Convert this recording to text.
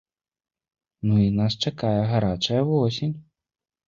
Ну і нас чакае гарачая восень.